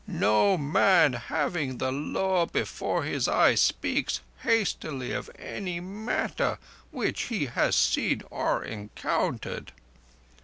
No man having the Law before his eyes speaks hastily of any matter which he has seen or encountered."